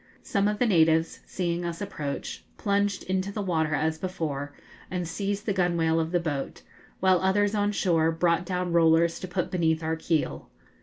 Some of the natives, seeing us approach, plunged into the water as before, and seized the gunwale of the boat, while others, on shore, brought down rollers to put beneath our keel.